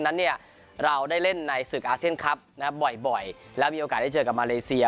นั้นเนี่ยเราได้เล่นในศึกอาเซียนคลับบ่อยแล้วมีโอกาสได้เจอกับมาเลเซีย